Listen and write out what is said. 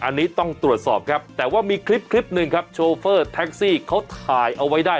อันนี้ต้องตรวจสอบครับแต่ว่ามีคลิปหนึ่งครับโชเฟอร์แท็กซี่เขาถ่ายเอาไว้ได้